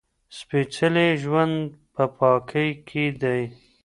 سپېڅلی ژوند په پاکۍ کې دی.